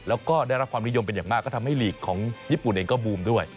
แล้วก็ได้รับความนิยมเป็นอย่างมากก็ทำให้ลีกของญี่ปุ่นเองก็บูมด้วย